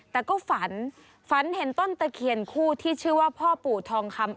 แต่ก็ฝันฝันเห็นต้นตะเคียนคู่ที่ชื่อว่าพ่อปู่ทองคำ